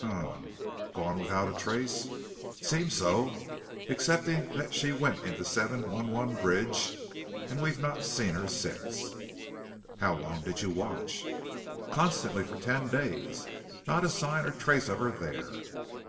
"Um. Gone without a trace?" "Seems so. Excepting that she went into 7111 Bridge, and we've not seen her since." "How long did you watch?" "Constantly for ten days. Not a sign or a trace of her there."